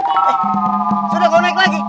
eh sudah kau naik lagi